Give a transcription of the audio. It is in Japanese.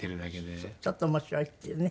ちょっと面白いっていうね。